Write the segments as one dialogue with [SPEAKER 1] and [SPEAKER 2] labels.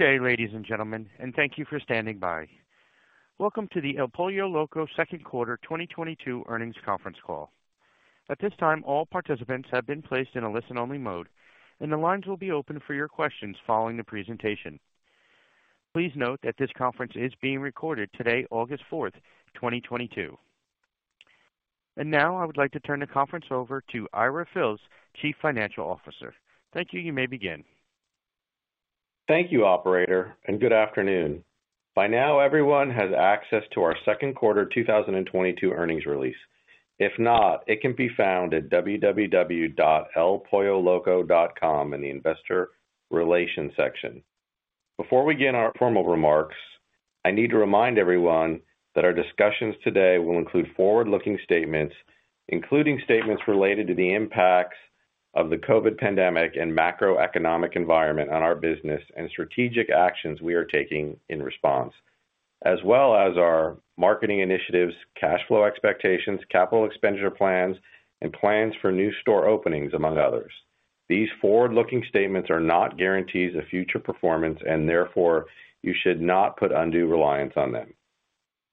[SPEAKER 1] Good day, ladies and gentlemen, and thank you for standing by. Welcome to the El Pollo Loco Second Quarter 2022 Earnings Conference Call. At this time, all participants have been placed in a listen-only mode, and the lines will be open for your questions following the presentation. Please note that this conference is being recorded today, August 4, 2022. Now I would like to turn the conference over to Ira Fils, Chief Financial Officer. Thank you. You may begin.
[SPEAKER 2] Thank you, operator, and good afternoon. By now everyone has access to our second quarter 2022 earnings release. If not, it can be found at www.elpolloloco.com in the investor relations section. Before we begin our formal remarks, I need to remind everyone that our discussions today will include forward-looking statements, including statements related to the impacts of the COVID pandemic and macroeconomic environment on our business and strategic actions we are taking in response. As well as our marketing initiatives, cash flow expectations, capital expenditure plans, and plans for new store openings, among others. These forward-looking statements are not guarantees of future performance, and therefore, you should not put undue reliance on them.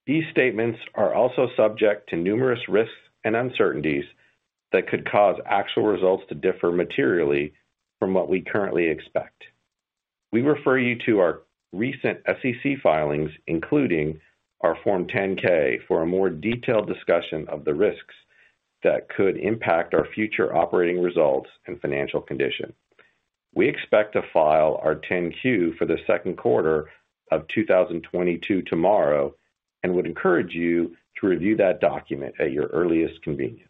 [SPEAKER 2] These statements are also subject to numerous risks and uncertainties that could cause actual results to differ materially from what we currently expect. We refer you to our recent SEC filings, including our Form 10-K for a more detailed discussion of the risks that could impact our future operating results and financial condition. We expect to file our 10-Q for the second quarter of 2022 tomorrow and would encourage you to review that document at your earliest convenience.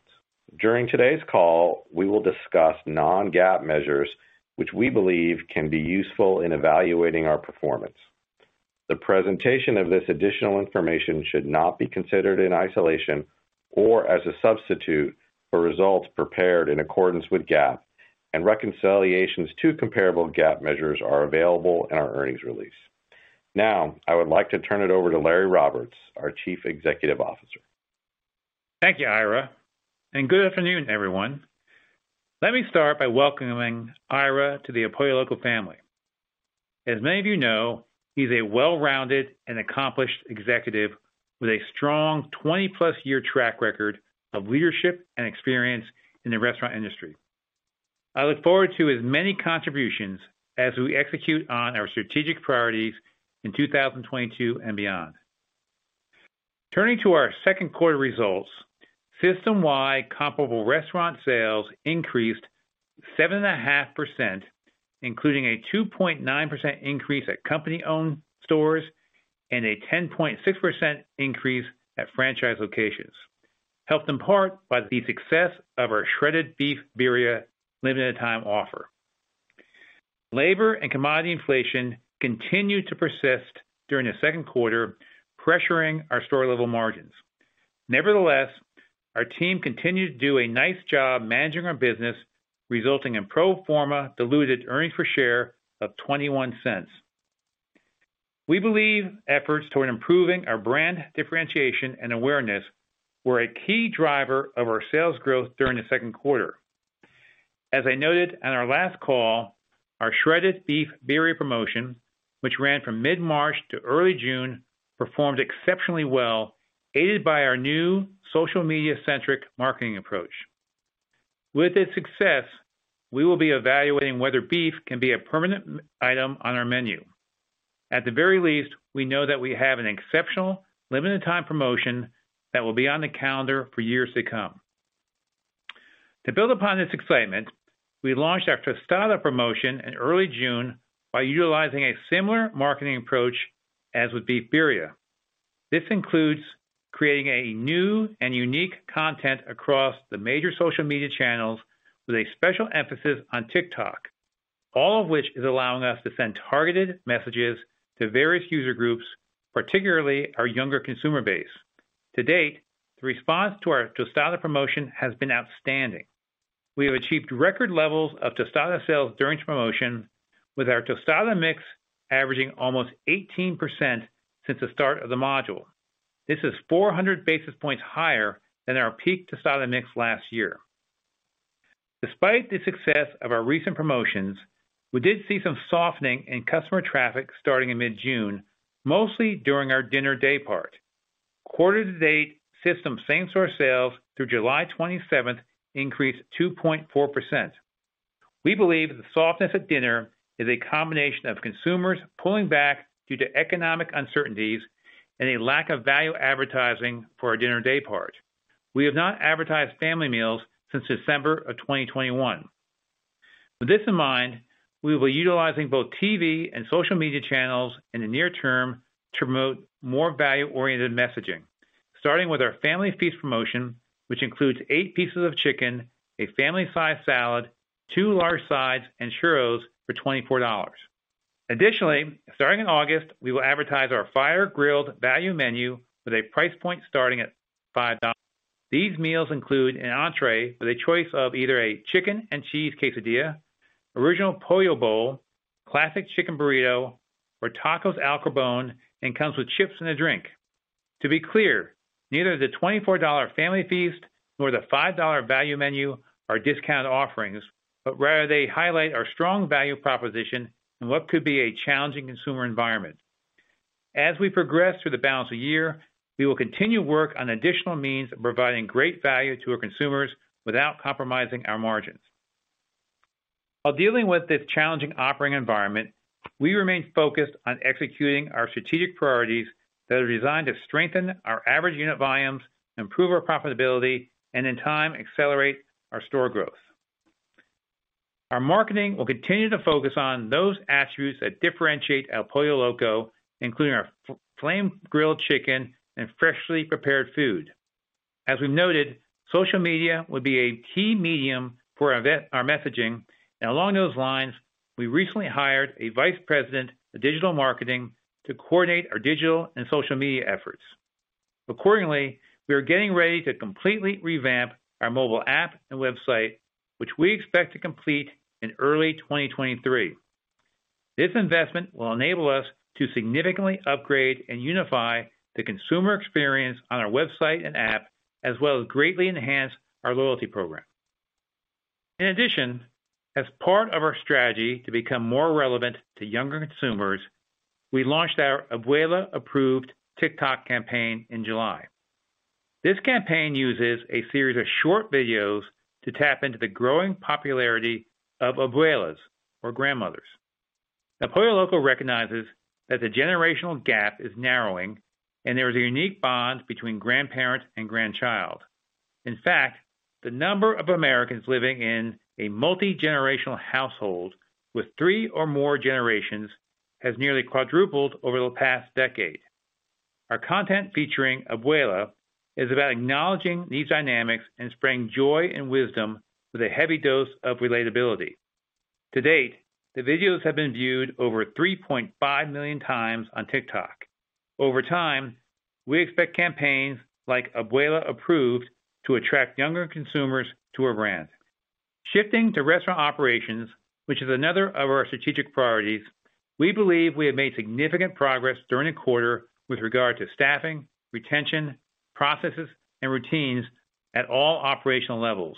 [SPEAKER 2] During today's call, we will discuss non-GAAP measures which we believe can be useful in evaluating our performance. The presentation of this additional information should not be considered in isolation or as a substitute for results prepared in accordance with GAAP and reconciliations to comparable GAAP measures are available in our earnings release. Now, I would like to turn it over to Larry Roberts, our Chief Executive Officer.
[SPEAKER 3] Thank you, Ira, and good afternoon, everyone. Let me start by welcoming Ira to the El Pollo Loco family. As many of you know, he's a well-rounded and accomplished executive with a strong 20+ year track record of leadership and experience in the restaurant industry. I look forward to his many contributions as we execute on our strategic priorities in 2022 and beyond. Turning to our second quarter results, system-wide comparable restaurant sales increased 7.5%, including a 2.9% increase at company-owned stores and a 10.6% increase at franchise locations, helped in part by the success of our Shredded Beef Birria limited-time offer. Labor and commodity inflation continued to persist during the second quarter, pressuring our store-level margins. Nevertheless, our team continued to do a nice job managing our business, resulting in pro forma diluted earnings per share of $0.21. We believe efforts toward improving our brand differentiation and awareness were a key driver of our sales growth during the second quarter. As I noted on our last call, our Shredded Beef Birria promotion, which ran from mid-March to early June, performed exceptionally well, aided by our new social media-centric marketing approach. With this success, we will be evaluating whether beef can be a permanent item on our menu. At the very least, we know that we have an exceptional limited time promotion that will be on the calendar for years to come. To build upon this excitement, we launched our Tostadas promotion in early June by utilizing a similar marketing approach as with Beef Birria. This includes creating a new and unique content across the major social media channels with a special emphasis on TikTok, all of which is allowing us to send targeted messages to various user groups, particularly our younger consumer base. To date, the response to our Tostadas promotion has been outstanding. We have achieved record levels of Tostadas sales during this promotion with our Tostadas mix averaging almost 18% since the start of the module. This is 400 basis points higher than our peak Tostadas mix last year. Despite the success of our recent promotions, we did see some softening in customer traffic starting in mid-June, mostly during our dinner daypart. Quarter-to-date system same-store sales through July 27th increased 2.4%. We believe the softness at dinner is a combination of consumers pulling back due to economic uncertainties and a lack of value advertising for our dinner day part. We have not advertised family meals since December 2021. With this in mind, we will be utilizing both TV and social media channels in the near term to promote more value-oriented messaging, starting with our Family Feast promotion, which includes eight pieces of chicken, a family-size salad, two large sides and Churros for $24. Additionally, starting in August, we will advertise our Fire-Grilled Value Menu with a price point starting at $5. These meals include an entree with a choice of either a Chicken and Cheese Quesadilla, Original Pollo Bowl, Classic Chicken Burrito, or Tacos al Carbon and comes with chips and a drink. To be clear, neither the $24 Family Feast nor the $5 value menu are discount offerings, but rather they highlight our strong value proposition in what could be a challenging consumer environment. As we progress through the balance of the year, we will continue work on additional means of providing great value to our consumers without compromising our margins. While dealing with this challenging operating environment, we remain focused on executing our strategic priorities that are designed to strengthen our Average Unit Volumes, improve our profitability, and in time, accelerate our store growth. Our marketing will continue to focus on those attributes that differentiate El Pollo Loco, including our flamed-grilled chicken and freshly prepared food. As we've noted, social media will be a key medium for our messaging. Along those lines, we recently hired a vice president of digital marketing to coordinate our digital and social media efforts. Accordingly, we are getting ready to completely revamp our mobile app and website, which we expect to complete in early 2023. This investment will enable us to significantly upgrade and unify the consumer experience on our website and app, as well as greatly enhance our loyalty program. In addition, as part of our strategy to become more relevant to younger consumers, we launched our Abuela Approved TikTok campaign in July. This campaign uses a series of short videos to tap into the growing popularity of abuelas or grandmothers. El Pollo Loco recognizes that the generational gap is narrowing, and there is a unique bond between grandparent and grandchild. In fact, the number of Americans living in a multi-generational household with three or more generations has nearly quadrupled over the past decade. Our content featuring abuela is about acknowledging these dynamics and spreading joy and wisdom with a heavy dose of relatability. To date, the videos have been viewed over 3.5 million times on TikTok. Over time, we expect campaigns like Abuela Approved to attract younger consumers to our brand. Shifting to restaurant operations, which is another of our strategic priorities, we believe we have made significant progress during the quarter with regard to staffing, retention, processes, and routines at all operational levels.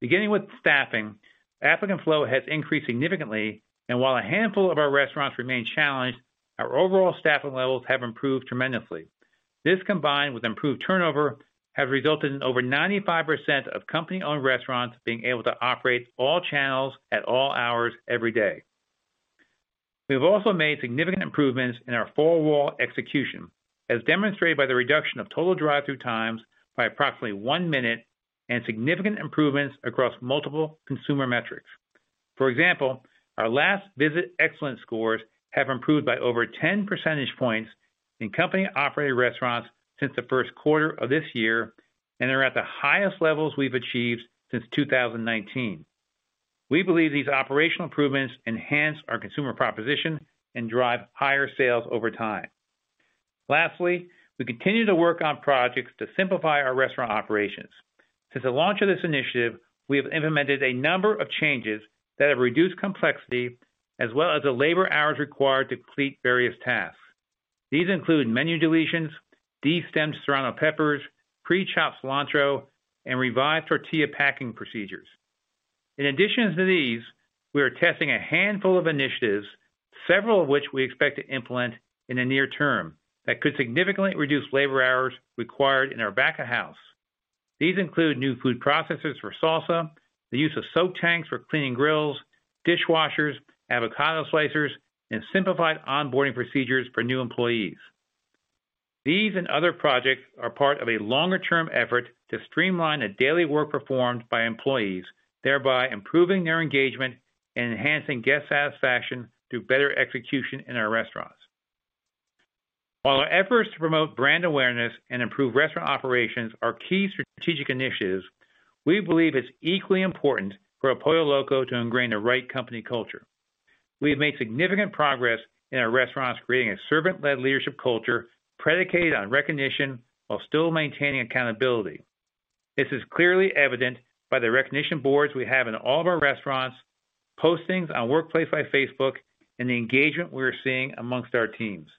[SPEAKER 3] Beginning with staffing, applicant flow has increased significantly, and while a handful of our restaurants remain challenged, our overall staffing levels have improved tremendously. This, combined with improved turnover, have resulted in over 95% of company-owned restaurants being able to operate all channels at all hours every day. We have also made significant improvements in our four wall execution, as demonstrated by the reduction of total drive-through times by approximately one minute and significant improvements across multiple consumer metrics. For example, our last visit excellence scores have improved by over 10 percentage points in company-operated restaurants since the first quarter of this year and are at the highest levels we've achieved since 2019. We believe these operational improvements enhance our consumer proposition and drive higher sales over time. Lastly, we continue to work on projects to simplify our restaurant operations. Since the launch of this initiative, we have implemented a number of changes that have reduced complexity as well as the labor hours required to complete various tasks. These include menu deletions, de-stemmed serrano peppers, pre-chopped cilantro, and revised tortilla packing procedures. In addition to these, we are testing a handful of initiatives, several of which we expect to implement in the near term, that could significantly reduce labor hours required in our back of house. These include new food processes for salsa, the use of soak tanks for cleaning grills, dishwashers, avocado slicers, and simplified onboarding procedures for new employees. These and other projects are part of a longer term effort to streamline the daily work performed by employees, thereby improving their engagement and enhancing guest satisfaction through better execution in our restaurants. While our efforts to promote brand awareness and improve restaurant operations are key strategic initiatives, we believe it's equally important for El Pollo Loco to ingrain the right company culture. We have made significant progress in our restaurants creating a servant-led leadership culture predicated on recognition while still maintaining accountability. This is clearly evident by the recognition boards we have in all of our restaurants, postings on Workplace by Facebook, and the engagement we are seeing among our teams.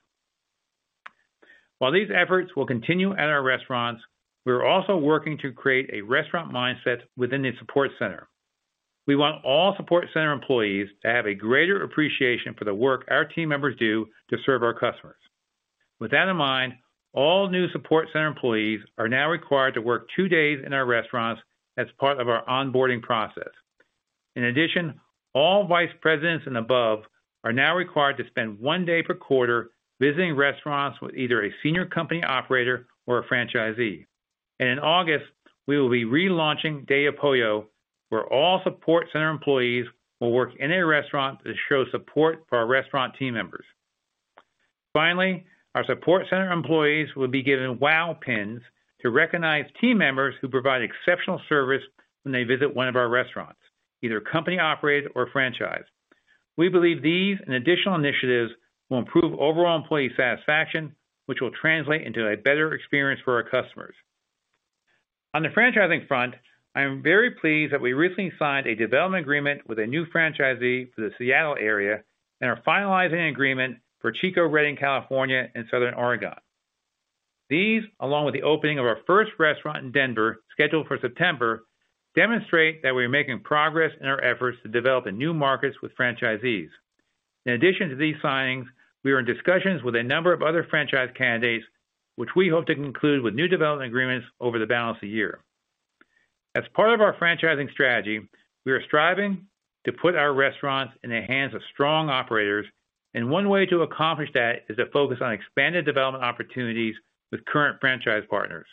[SPEAKER 3] While these efforts will continue at our restaurants, we are also working to create a restaurant mindset within the support center. We want all support center employees to have a greater appreciation for the work our team members do to serve our customers. With that in mind, all new support center employees are now required to work two days in our restaurants as part of our onboarding process. In addition, all vice presidents and above are now required to spend one day per quarter visiting restaurants with either a senior company operator or a franchisee. In August, we will be relaunching Dia Pollo, where all support center employees will work in a restaurant to show support for our restaurant team members. Finally, our support center employees will be given wow pins to recognize team members who provide exceptional service when they visit one of our restaurants, either company operated or franchise. We believe these and additional initiatives will improve overall employee satisfaction, which will translate into a better experience for our customers. On the franchising front, I am very pleased that we recently signed a development agreement with a new franchisee for the Seattle area, and are finalizing an agreement for Chico-Redding, California, and Southern Oregon. These, along with the opening of our first restaurant in Denver scheduled for September, demonstrate that we are making progress in our efforts to develop in new markets with franchisees. In addition to these signings, we are in discussions with a number of other franchise candidates, which we hope to conclude with new development agreements over the balance of the year. As part of our franchising strategy, we are striving to put our restaurants in the hands of strong operators, and one way to accomplish that is to focus on expanded development opportunities with current franchise partners.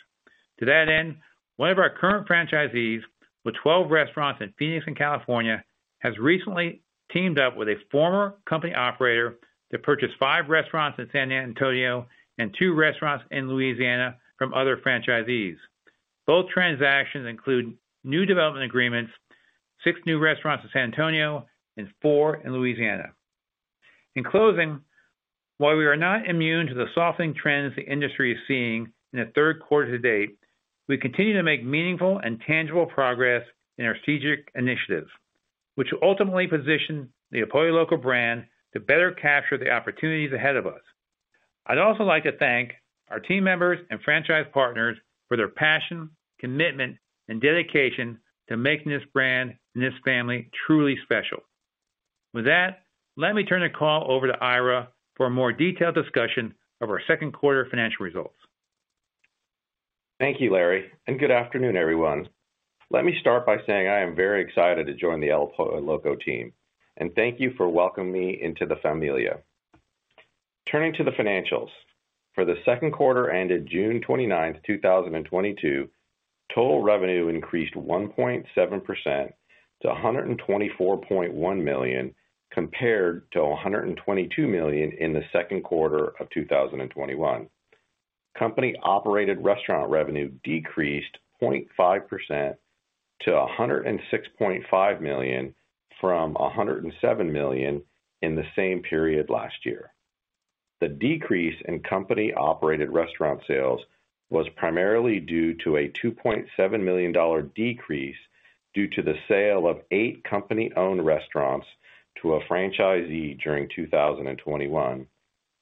[SPEAKER 3] To that end, one of our current franchisees with 12 restaurants in Phoenix and California, has recently teamed up with a former company operator to purchase five restaurants in San Antonio and two restaurants in Louisiana from other franchisees. Both transactions include new development agreements, six new restaurants in San Antonio and four in Louisiana. In closing, while we are not immune to the softening trends the industry is seeing in the third quarter to date, we continue to make meaningful and tangible progress in our strategic initiatives, which will ultimately position the El Pollo Loco brand to better capture the opportunities ahead of us. I'd also like to thank our team members and franchise partners for their passion, commitment, and dedication to making this brand and this family truly special. With that, let me turn the call over to Ira for a more detailed discussion of our second quarter financial results.
[SPEAKER 2] Thank you, Larry, and good afternoon, everyone. Let me start by saying I am very excited to join the El Pollo Loco team, and thank you for welcoming me into the familia. Turning to the financials. For the second quarter ended June 29, 2022, total revenue increased 1.7% to $124.1 million, compared to $122 million in the second quarter of 2021. Company-operated restaurant revenue decreased 0.5% to $106.5 million from $107 million in the same period last year. The decrease in company-operated restaurant sales was primarily due to a $2.7 million decrease due to the sale of eight company-owned restaurants to a franchisee during 2021,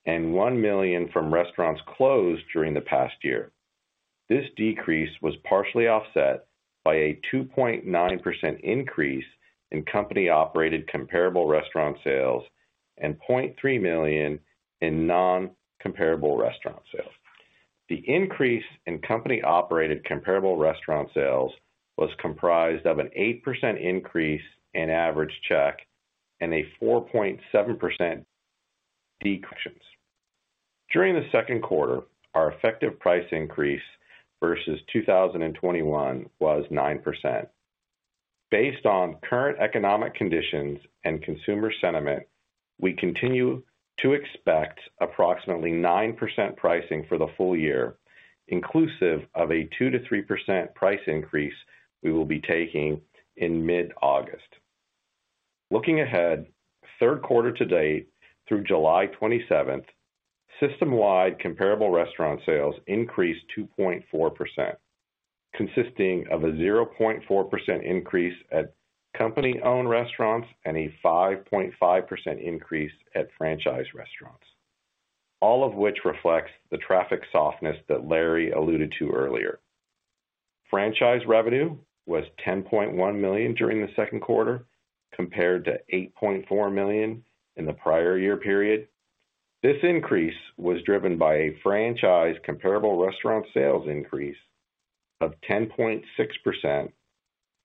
[SPEAKER 2] and $1 million from restaurants closed during the past year. This decrease was partially offset by a 2.9% increase in company-operated comparable restaurant sales and $0.3 million in non-comparable restaurant sales. The increase in company-operated comparable restaurant sales was comprised of an 8% increase in average check. During the second quarter, our effective price increase versus 2021 was 9%. Based on current economic conditions and consumer sentiment, we continue to expect approximately 9% pricing for the full year, inclusive of a 2%-3% price increase we will be taking in mid-August. Looking ahead, third quarter to date through July 27, system-wide comparable restaurant sales increased 2.4%, consisting of a 0.4% increase at company-owned restaurants and a 5.5% increase at franchise restaurants, all of which reflects the traffic softness that Larry alluded to earlier. Franchise revenue was $10.1 million during the second quarter, compared to $8.4 million in the prior year period. This increase was driven by a franchise comparable restaurant sales increase of 10.6%,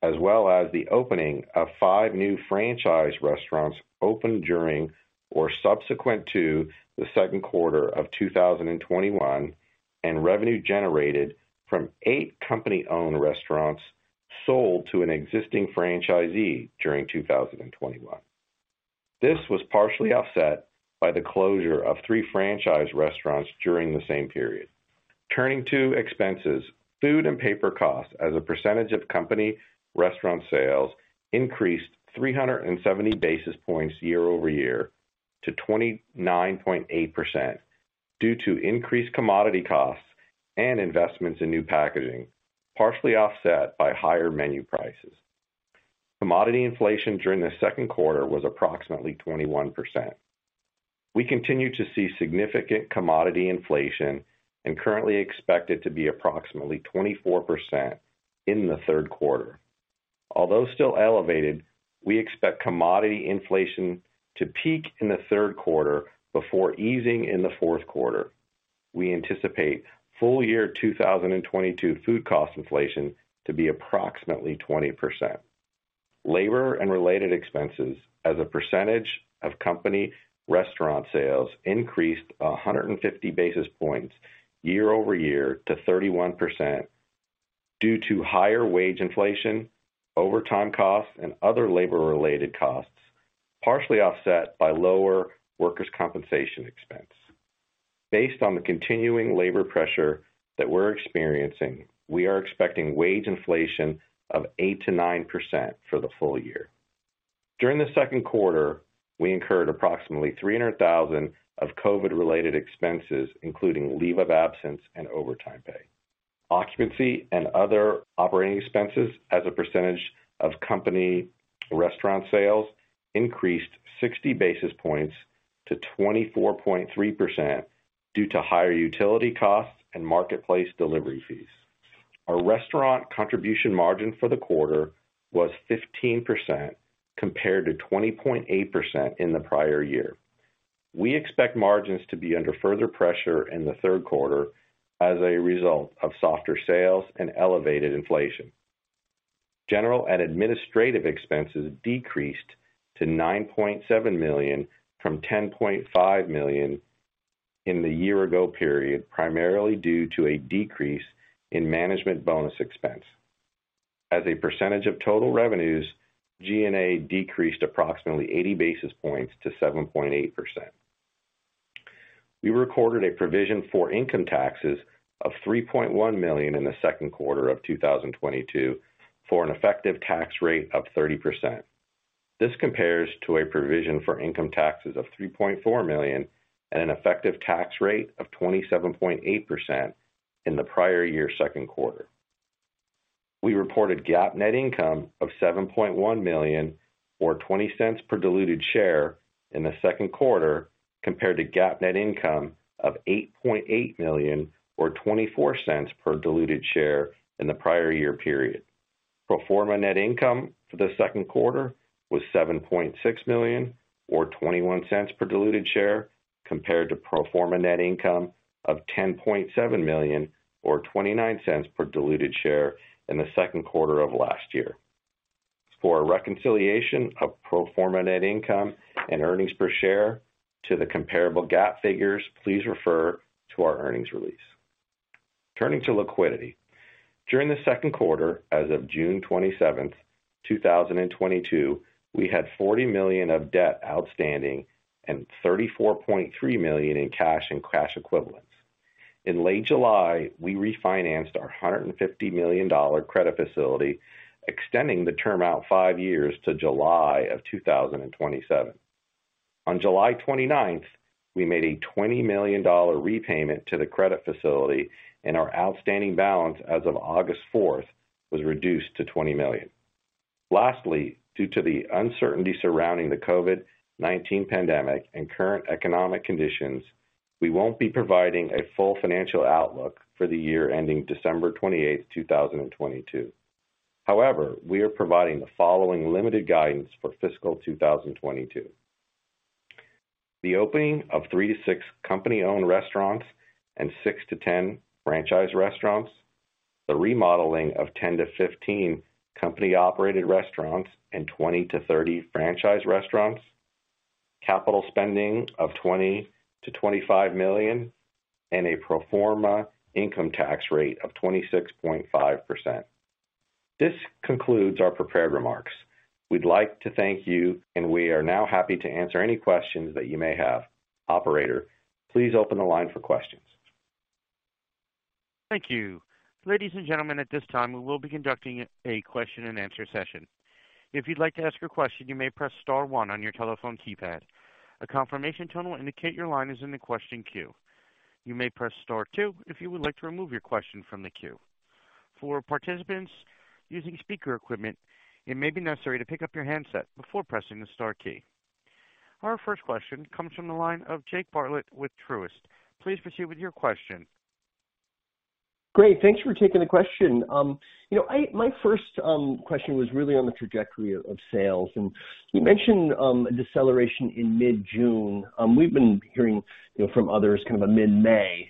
[SPEAKER 2] as well as the opening of five new franchise restaurants opened during or subsequent to the second quarter of 2021, and revenue generated from eight company-owned restaurants sold to an existing franchisee during 2021. This was partially offset by the closure of three franchise restaurants during the same period. Turning to expenses. Food and paper costs as a percentage of company restaurant sales increased 370 basis points year over year to 29.8% due to increased commodity costs and investments in new packaging, partially offset by higher menu prices. Commodity inflation during the second quarter was approximately 21%. We continue to see significant commodity inflation and currently expect it to be approximately 24% in the third quarter. Although still elevated, we expect commodity inflation to peak in the third quarter before easing in the fourth quarter. We anticipate full year 2022 food cost inflation to be approximately 20%. Labor and related expenses as a percentage of company restaurant sales increased 150 basis points year over year to 31% due to higher wage inflation, overtime costs, and other labor-related costs, partially offset by lower workers' compensation expense. Based on the continuing labor pressure that we're experiencing, we are expecting wage inflation of 8%-9% for the full year. During the second quarter, we incurred approximately $300,000 of COVID-19-related expenses, including leave of absence and overtime pay. Occupancy and other operating expenses as a percentage of company restaurant sales increased 60 basis points to 24.3% due to higher utility costs and marketplace delivery fees. Our restaurant contribution margin for the quarter was 15% compared to 20.8% in the prior year. We expect margins to be under further pressure in the third quarter as a result of softer sales and elevated inflation. General and administrative expenses decreased to $9.7 million from $10.5 million in the year ago period, primarily due to a decrease in management bonus expense. As a percentage of total revenues, G&A decreased approximately 80 basis points to 7.8%. We recorded a provision for income taxes of $3.1 million in the second quarter of 2022, for an effective tax rate of 30%. This compares to a provision for income taxes of $3.4 million and an effective tax rate of 27.8% in the prior year's second quarter. We reported GAAP net income of $7.1 million or $0.20 per diluted share in the second quarter, compared to GAAP net income of $8.8 million or $0.24 per diluted share in the prior year period. Pro forma net income for the second quarter was $7.6 million or $0.21 per diluted share, compared to pro forma net income of $10.7 million or $0.29 per diluted share in the second quarter of last year. For a reconciliation of pro forma net income and earnings per share to the comparable GAAP figures, please refer to our earnings release. Turning to liquidity. During the second quarter, as of June 27, 2022, we had $40 million of debt outstanding and $34.3 million in cash and cash equivalents. In late July, we refinanced our $150 million credit facility, extending the term out five years to July of 2027. On July 29, we made a $20 million repayment to the credit facility, and our outstanding balance as of August 4th was reduced to $20 million. Lastly, due to the uncertainty surrounding the COVID-19 pandemic and current economic conditions, we won't be providing a full financial outlook for the year ending December 28, 2022. However, we are providing the following limited guidance for fiscal 2022. The opening of three to six company-owned restaurants and six to 10 franchise restaurants. The remodeling of 10-15 company-operated restaurants and 20-30 franchise restaurants. Capital spending of $20 million-$25 million and a pro forma income tax rate of 26.5%. This concludes our prepared remarks. We'd like to thank you, and we are now happy to answer any questions that you may have. Operator, please open the line for questions.
[SPEAKER 1] Thank you. Ladies and gentlemen, at this time we will be conducting a question-and-answer session. If you'd like to ask a question, you may press star one on your telephone keypad. A confirmation tone will indicate your line is in the question queue. You may press star two if you would like to remove your question from the queue. For participants using speaker equipment, it may be necessary to pick up your handset before pressing the star key. Our first question comes from the line of Jake Bartlett with Truist. Please proceed with your question.
[SPEAKER 4] Great. Thanks for taking the question. You know, my first question was really on the trajectory of sales. You mentioned a deceleration in mid-June. We've been hearing, you know, from others kind of a mid-May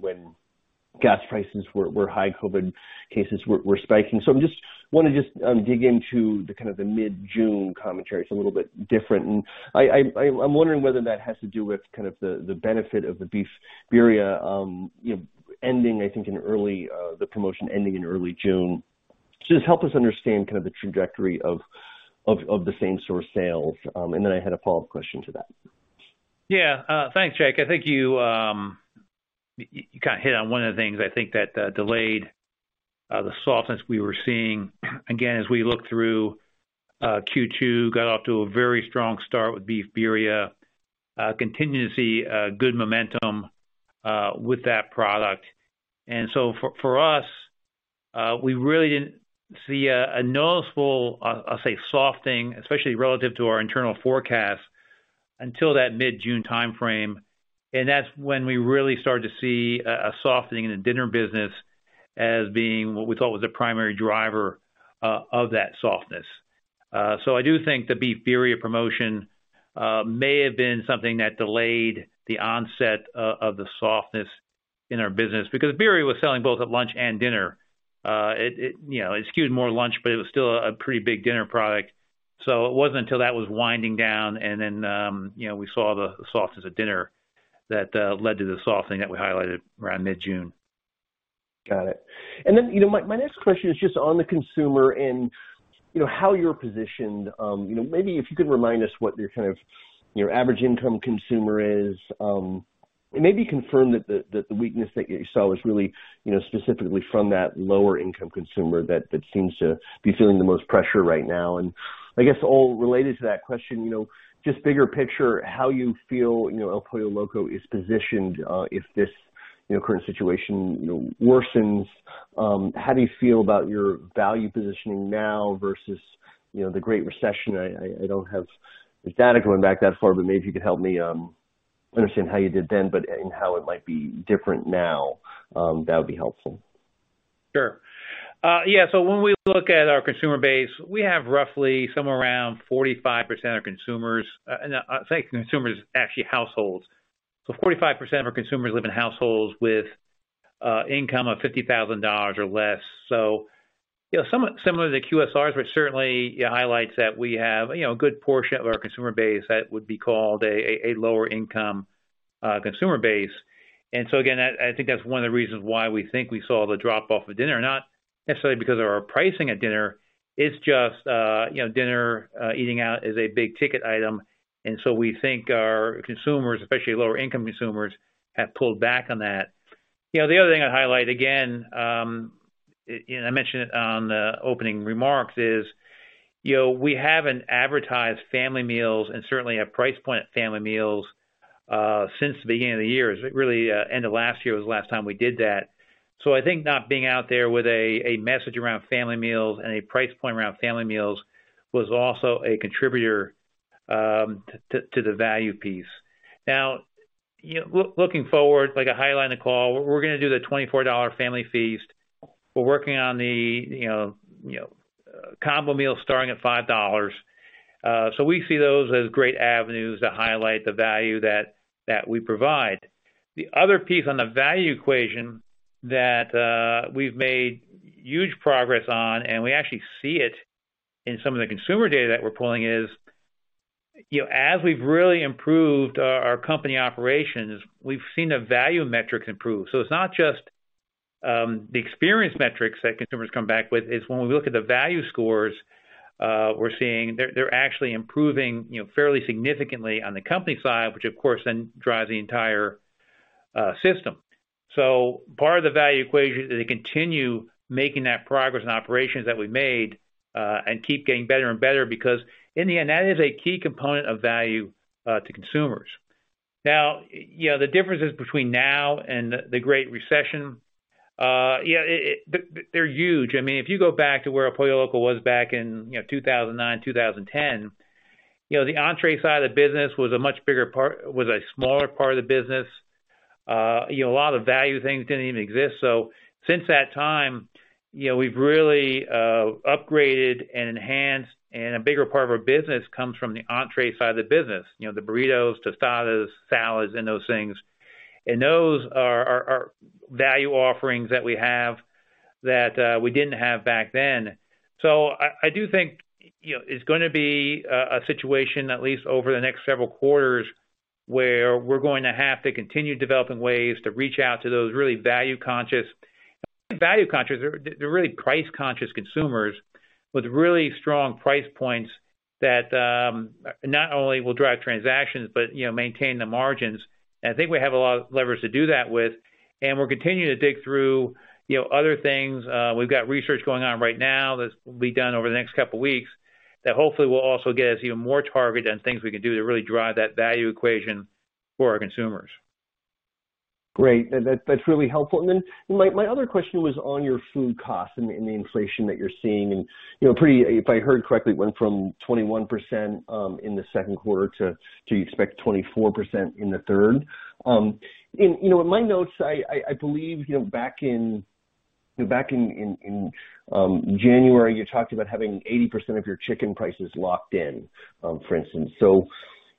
[SPEAKER 4] when gas prices were high, COVID cases were spiking. I wanna dig into the kind of mid-June commentary. It's a little bit different. I'm wondering whether that has to do with kind of the benefit of the Beef Birria, you know, ending, I think in early, the promotion ending in early June. Just help us understand kind of the trajectory of the same store sales. Then I had a follow-up question to that.
[SPEAKER 3] Yeah. Thanks, Jake. I think you kind of hit on one of the things I think that delayed the softness we were seeing. Again, as we look through Q2, got off to a very strong start with Beef Birria. Continue to see good momentum with that product. For us, we really didn't see a noticeable, I'll say softening, especially relative to our internal forecast until that mid-June timeframe. That's when we really started to see a softening in the dinner business as being what we thought was the primary driver of that softness. I do think the Beef Birria promotion may have been something that delayed the onset of the softness in our business because Birria was selling both at lunch and dinner. It, you know, it skewed more lunch, but it was still a pretty big dinner product. It wasn't until that was winding down and then, you know, we saw the softness at dinner that led to the softening that we highlighted around mid-June.
[SPEAKER 4] Got it. Then, you know, my next question is just on the consumer and, you know, how you're positioned. You know, maybe if you could remind us what your kind of average income consumer is. It made me confirm that the weakness that you saw was really, you know, specifically from that lower income consumer that seems to be feeling the most pressure right now. I guess all related to that question, you know, just bigger picture, how you feel, you know, El Pollo Loco is positioned, how do you feel about your value positioning now versus, you know, the Great Recession? I don't have the data going back that far, but maybe you could help me understand how you did then, but and how it might be different now, that would be helpful.
[SPEAKER 3] Sure. Yeah, when we look at our consumer base, we have roughly somewhere around 45% of consumers, and I think consumers, actually, households. 45% of our consumers live in households with income of $50,000 or less. You know, some similar to the QSRs, which certainly highlights that we have, you know, a good portion of our consumer base that would be called a lower income consumer base. Again, I think that's one of the reasons why we think we saw the drop-off of dinner, not necessarily because of our pricing at dinner. It's just, you know, dinner eating out is a big ticket item. We think our consumers, especially lower income consumers, have pulled back on that. You know, the other thing I'd highlight again, you know, I mentioned it on the opening remarks is, you know, we haven't advertised family meals and certainly have price pointed family meals, since the beginning of the year. Really, end of last year was the last time we did that. I think not being out there with a message around family meals and a price point around family meals was also a contributor, to the value piece. Now, you know, looking forward, like I highlighted on the call, we're gonna do the $24 Family Feast. We're working on the combo meal starting at $5. We see those as great avenues to highlight the value that we provide. The other piece on the value equation that we've made huge progress on, and we actually see it in some of the consumer data that we're pulling is, you know, as we've really improved our company operations, we've seen the value metrics improve. It's not just the experience metrics that consumers come back with. It's when we look at the value scores, we're seeing they're actually improving, you know, fairly significantly on the company side, which of course then drives the entire system. Part of the value equation is to continue making that progress in operations that we made and keep getting better and better because in the end, that is a key component of value to consumers. Now, you know, the differences between now and the Great Recession, you know, they're huge. I mean, if you go back to where El Pollo Loco was back in, you know, 2009, 2010, you know, the entree side of the business was a smaller part of the business. You know, a lot of value things didn't even exist. Since that time, you know, we've really upgraded and enhanced, and a bigger part of our business comes from the entree side of the business. You know, the burritos, tostadas, salads, and those things. Those are value offerings that we have that we didn't have back then. I do think, you know, it's gonna be a situation at least over the next several quarters, where we're going to have to continue developing ways to reach out to those really value-conscious. Value-conscious, they're really price-conscious consumers with really strong price points that, not only will drive transactions, but, you know, maintain the margins. I think we have a lot of levers to do that with. We're continuing to dig through, you know, other things. We've got research going on right now that will be done over the next couple of weeks that hopefully will also get us even more targeted on things we can do to really drive that value equation for our consumers.
[SPEAKER 4] Great. That's really helpful. Then my other question was on your food costs and the inflation that you're seeing. You know, if I heard correctly, it went from 21% in the second quarter to you expect 24% in the third. You know, in my notes, I believe, you know, back in January, you talked about having 80% of your chicken prices locked in, for instance.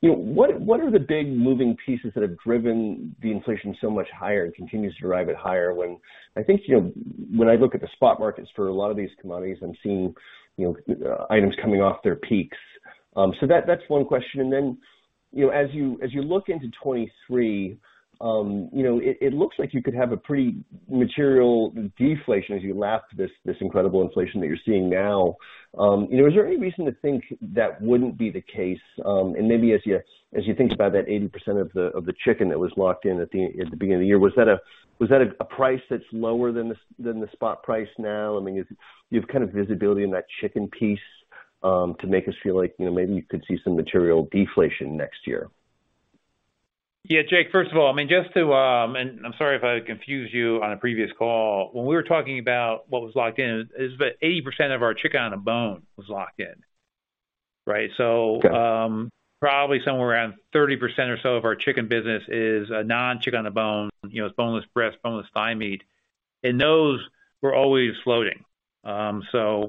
[SPEAKER 4] You know, what are the big moving pieces that have driven the inflation so much higher and continues to drive it higher when I think, you know, when I look at the spot markets for a lot of these commodities, I'm seeing, you know, items coming off their peaks. That's one question. Then, you know, as you look into 2023, you know, it looks like you could have a pretty material deflation as you lap this incredible inflation that you're seeing now. You know, is there any reason to think that wouldn't be the case? And maybe as you think about that 80% of the chicken that was locked in at the beginning of the year, was that a price that's lower than the spot price now? I mean, do you have kind of visibility in that chicken piece to make us feel like, you know, maybe you could see some material deflation next year?
[SPEAKER 3] Yeah, Jake, first of all, I mean, just to and I'm sorry if I confused you on a previous call. When we were talking about what was locked in, is about 80% of our chicken on a bone was locked in. Right?
[SPEAKER 4] Okay.
[SPEAKER 3] Probably somewhere around 30% or so of our chicken business is non-chicken on the bone, you know, it's boneless breast, boneless thigh meat. Those were always floating. We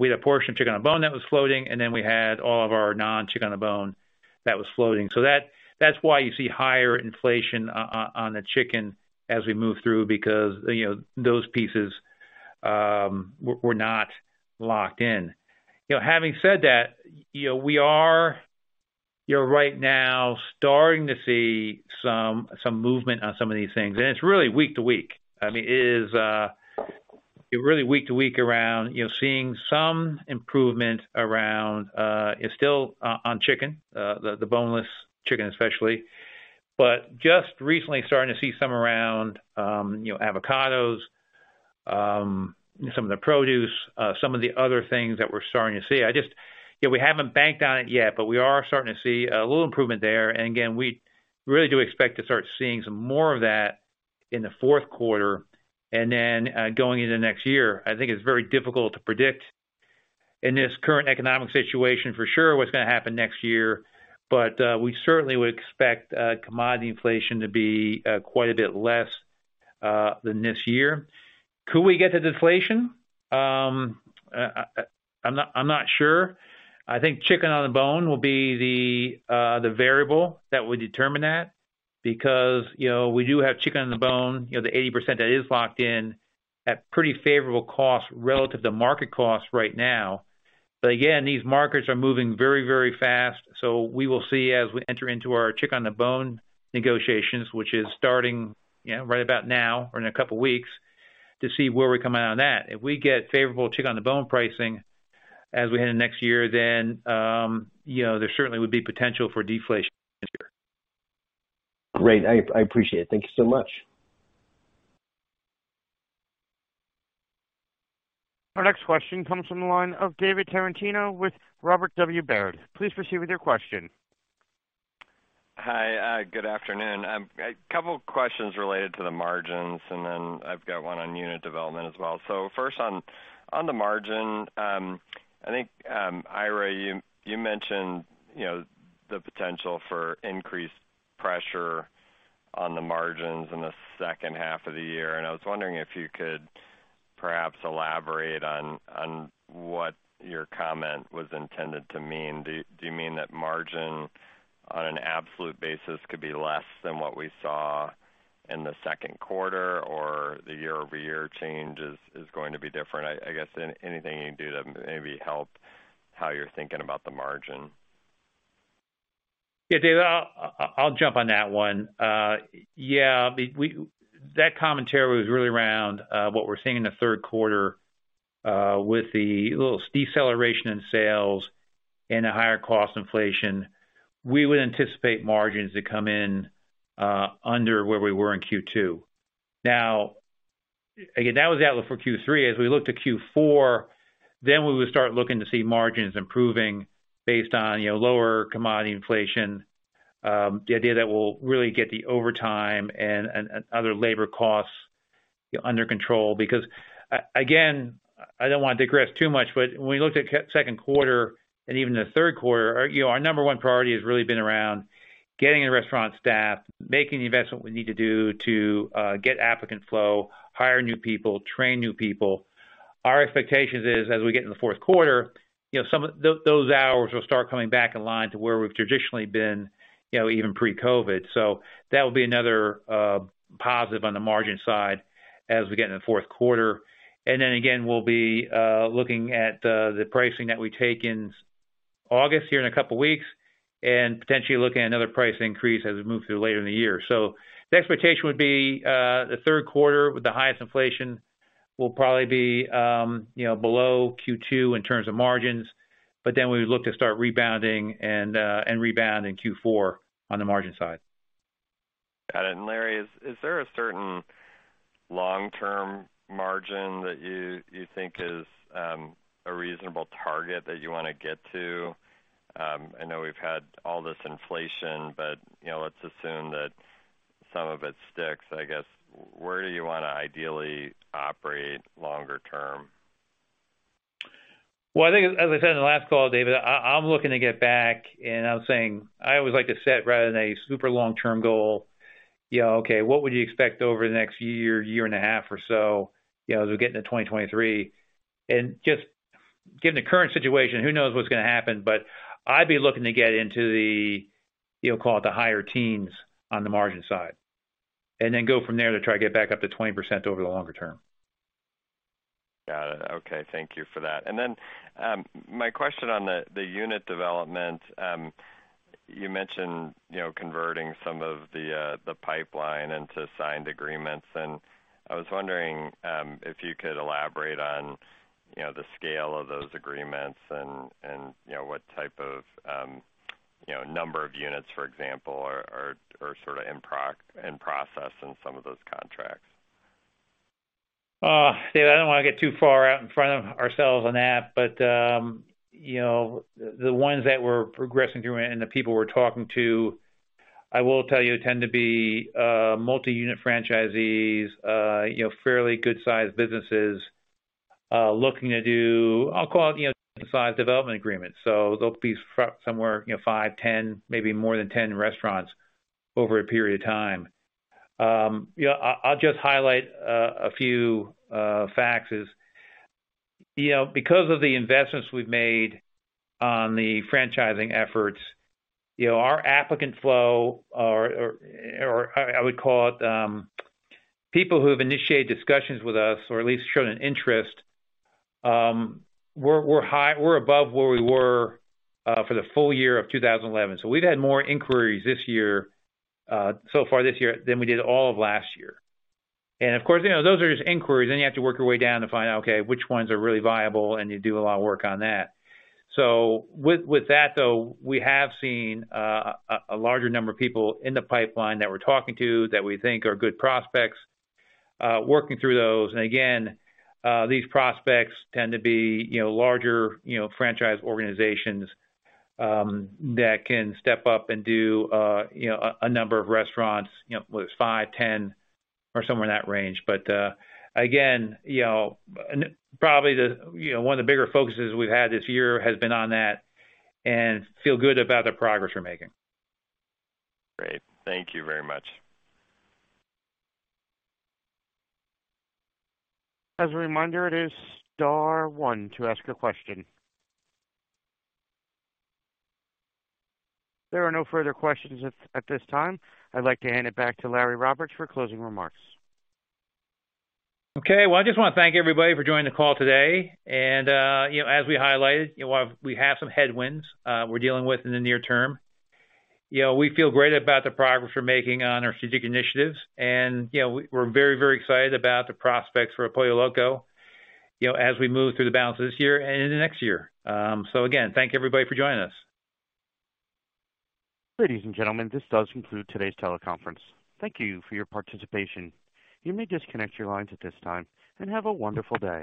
[SPEAKER 3] had a portion of chicken on bone that was floating, and then we had all of our non-chicken on the bone that was floating. That, that's why you see higher inflation on the chicken as we move through because, you know, those pieces were not locked in. You know, having said that, you know, we are, you know, right now starting to see some movement on some of these things. It's really week to week. I mean, it is really week to week around, you know, seeing some improvement around, it's still on chicken, the boneless chicken especially. Just recently starting to see some around, you know, avocados, some of the produce, some of the other things that we're starting to see. You know, we haven't banked on it yet, but we are starting to see a little improvement there. Again, we really do expect to start seeing some more of that in the fourth quarter and then, going into next year. I think it's very difficult to predict in this current economic situation for sure what's gonna happen next year. We certainly would expect commodity inflation to be quite a bit less than this year. Could we get to deflation? I'm not sure. I think chicken on the bone will be the variable that would determine that because, you know, we do have chicken on the bone, you know, the 80% that is locked in at pretty favorable cost relative to market costs right now. Again, these markets are moving very, very fast, so we will see as we enter into our chicken on the bone negotiations, which is starting, you know, right about now or in a couple weeks, to see where we come out on that. If we get favorable chicken on the bone pricing as we head into next year, you know, there certainly would be potential for deflation this year.
[SPEAKER 4] Great. I appreciate it. Thank you so much.
[SPEAKER 1] Our next question comes from the line of David Tarantino with Robert W. Baird. Please proceed with your question.
[SPEAKER 5] Hi, good afternoon. A couple questions related to the margins, and then I've got one on unit development as well. First on the margin, I think, Ira, you mentioned, you know, the potential for increased pressure on the margins in the second half of the year. I was wondering if you could perhaps elaborate on what your comment was intended to mean. Do you mean that margin on an absolute basis could be less than what we saw in the second quarter or the year-over-year change is going to be different? I guess anything you can do to maybe help how you're thinking about the margin.
[SPEAKER 3] Yeah, David, I'll jump on that one. Yeah, that commentary was really around what we're seeing in the third quarter with the little deceleration in sales and a higher cost inflation. We would anticipate margins to come in under where we were in Q2. Now, again, that was the outlook for Q3. As we look to Q4, then we would start looking to see margins improving based on, you know, lower commodity inflation, the idea that we'll really get the overtime and other labor costs, you know, under control. Because again, I don't want to digress too much, but when we looked at the second quarter and even the third quarter, you know, our number one priority has really been around getting the restaurant staffed, making the investment we need to do to get applicant flow, hire new people, train new people. Our expectations is as we get into the fourth quarter, you know, some of those hours will start coming back in line to where we've traditionally been, you know, even pre-COVID. That will be another positive on the margin side as we get into the fourth quarter. Then again, we'll be looking at the pricing that we take in August here in a couple weeks, and potentially looking at another price increase as we move through later in the year. The expectation would be, the third quarter with the highest inflation will probably be, you know, below Q2 in terms of margins, but then we would look to start rebounding and rebound in Q4 on the margin side.
[SPEAKER 5] Got it. Larry, is there a certain long-term margin that you think is a reasonable target that you wanna get to? I know we've had all this inflation, but, you know, let's assume that some of it sticks. I guess, where do you wanna ideally operate longer term?
[SPEAKER 3] Well, I think as I said in the last call, David, I'm looking to get back, and I was saying I always like to set rather than a super long-term goal. You know, okay, what would you expect over the next year and a half or so, you know, as we get into 2023? Just given the current situation, who knows what's gonna happen, but I'd be looking to get into the, you know, call it the higher teens on the margin side, and then go from there to try to get back up to 20% over the longer term.
[SPEAKER 5] Got it. Okay. Thank you for that. My question on the unit development, you mentioned converting some of the pipeline into signed agreements, and I was wondering if you could elaborate on the scale of those agreements and you know what type of number of units, for example, are sort of in process in some of those contracts.
[SPEAKER 3] David, I don't wanna get too far out in front of ourselves on that, but, you know, the ones that we're progressing through and the people we're talking to, I will tell you, tend to be, multi-unit franchisees, you know, fairly good-sized businesses, looking to do, I'll call it, you know, size development agreements. They'll be somewhere, you know, five, 10, maybe more than 10 restaurants over a period of time. You know, I'll just highlight a few facts is, you know, because of the investments we've made on the franchising efforts, you know, our applicant flow or I would call it, people who have initiated discussions with us or at least shown an interest, we're above where we were, for the full year of 2021. We've had more inquiries this year, so far this year than we did all of last year. Of course, you know, those are just inquiries, then you have to work your way down to find out, okay, which ones are really viable, and you do a lot of work on that. With that though, we have seen a larger number of people in the pipeline that we're talking to that we think are good prospects, working through those. Again, these prospects tend to be, you know, larger franchise organizations that can step up and do a number of restaurants, you know, whether it's five, 10 or somewhere in that range. Again, you know, probably the, you know, one of the bigger focuses we've had this year has been on that and feel good about the progress we're making.
[SPEAKER 5] Great. Thank you very much.
[SPEAKER 1] As a reminder, it is star one to ask a question. There are no further questions at this time. I'd like to hand it back to Larry Roberts for closing remarks.
[SPEAKER 3] Okay. Well, I just wanna thank everybody for joining the call today. You know, as we highlighted, you know, while we have some headwinds, we're dealing with in the near term, you know, we feel great about the progress we're making on our strategic initiatives. You know, we're very, very excited about the prospects for El Pollo Loco, you know, as we move through the balance of this year and into next year. Again, thank you, everybody, for joining us.
[SPEAKER 1] Ladies and gentlemen, this does conclude today's teleconference. Thank you for your participation. You may disconnect your lines at this time, and have a wonderful day.